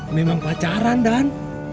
memang pacaran dan